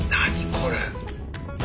これ。